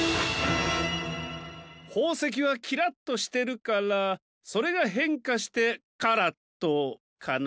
ほうせきはキラッとしてるからそれがへんかしてカラットかな？